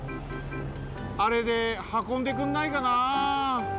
あれではこんでくんないかな。